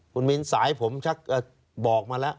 คุณมินทรายผมบอกมาแล้ว